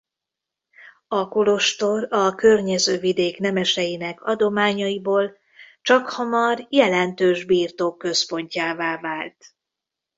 A kolostor a környező vidék nemeseinek adományaiból csakhamar jelentős birtok központjává vált.